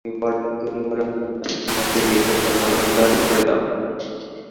তুমি বরং রান্নাঘরের বাতি নিভিয়ে সব অন্ধকার করে দাও।